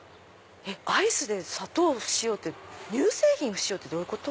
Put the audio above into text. アイスで砂糖乳製品不使用ってどういうこと？